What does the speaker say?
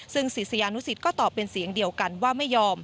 ซึ่งศิษยานุสิตก็ตอบเป็นเสียงเดียวกันว่าไม่ยอม